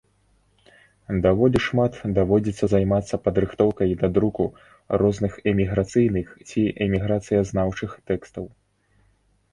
Даволі шмат даводзіцца займацца падрыхтоўкай да друку розных эміграцыйных ці эміграцыязнаўчых тэкстаў.